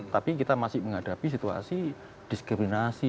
tapi kita masih menghadapi situasi diskriminasi